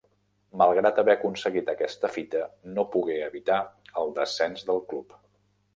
Malgrat haver aconseguit aquesta fita no pogué evitar el descens del club.